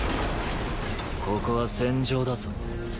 ここは戦場だぞ。